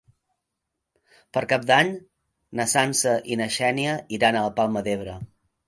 Per Cap d'Any na Sança i na Xènia iran a la Palma d'Ebre.